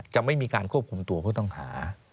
จะไม่มีการควบคุมตัวผู้ต้องหา